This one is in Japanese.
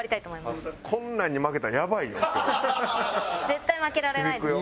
絶対負けられないです。